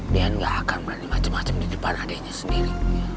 dian gak akan berani macem macem di depan adeknya sendiri